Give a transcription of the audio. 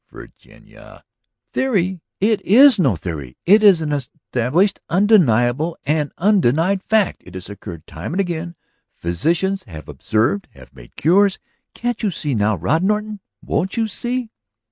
Virginia ..." "Theory! It is no theory. It is an established, undeniable, and undenied fact! It has occurred time and again, physicians have observed, have made cures! Can't you see now, Rod Norton? Won't you see?"